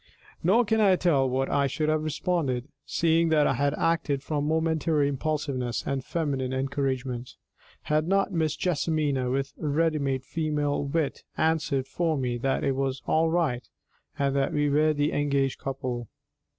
Nor can I tell what I should have responded, seeing that I had acted from momentary impulsiveness and feminine encouragement, had not Miss JESSIMINA, with ready made female wit, answered for me that it was all right, and that we were the engaged couple.